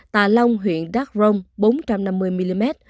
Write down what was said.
tà long huyện đắc rông bốn trăm năm mươi mm